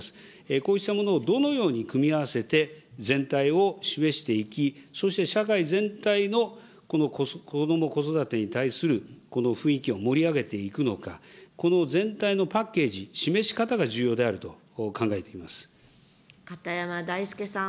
こうしたものをどのように組み合わせて全体を示していき、そして社会全体のこども・子育てに対するこの雰囲気を盛り上げていくのか、この全体のパッケージ、示し方が重要であると考えていま片山大介さん。